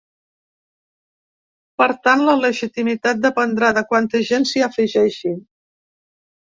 Per tant, la legitimitat dependrà de quanta gent s’hi afegeixi.